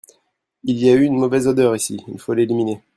Il y a une mauvaise odeur ici, il faut l'éliminer.